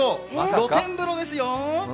露天風呂ですよ。